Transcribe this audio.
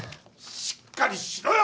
しっかりしろよ！